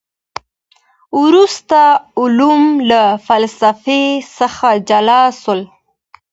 وروسته علوم له فلسفې څخه جلا سول.